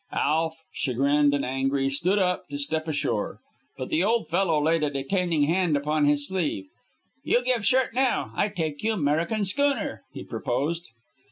Alf, chagrined and angry, stood up to step ashore. But the old fellow laid a detaining hand on his sleeve. "You give shirt now. I take you 'Merican schooner," he proposed.